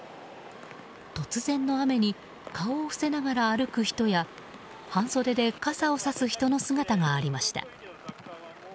突然の雨に顔を伏せながら歩く人や半袖で傘をさす人の姿がありました。